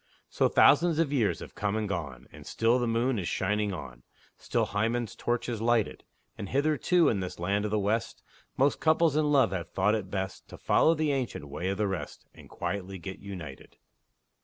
So thousands of years have come and gone, And still the moon is shining on, Still Hymen's torch is lighted; And hitherto, in this land of the West, Most couples in love have thought it best To follow the ancient way of the rest, And quietly get united.